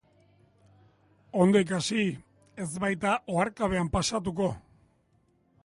Ondo ikasi, ez baita oharkabean pasatuko.